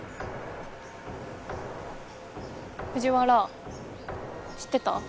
藤原知ってた？